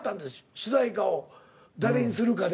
主題歌を誰にするかで。